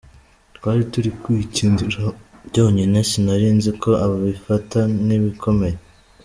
Twari turi kwikinira byonyine, sinari nzi ko abifata nk’ibikomeye.